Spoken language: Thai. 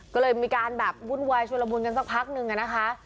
ก็เลยมีการแบบวุ่นวายชุลมุนกันสักพักนึงอะนะคะ